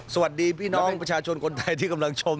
สวัสดีพี่น้องประชาชนคนไทยที่กำลังชม